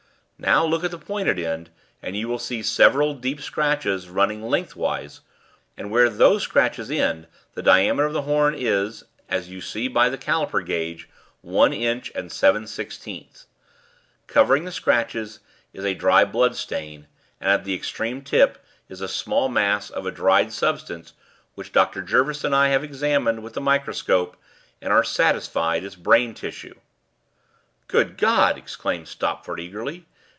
Now look at the pointed end, and you will see several deep scratches running lengthwise, and where those scratches end the diameter of the horn is, as you see by this calliper gauge, one inch and seven sixteenths. Covering the scratches is a dry blood stain, and at the extreme tip is a small mass of a dried substance which Dr. Jervis and I have examined with the microscope and are satisfied is brain tissue." "Good God!" exclaimed Stopford eagerly.